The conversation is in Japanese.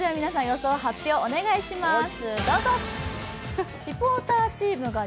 予想発表、お願いします。